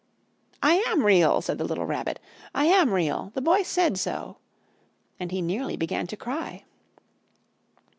"I am Real!" said the little Rabbit. "I am Real! The Boy said so!" And he nearly began to cry.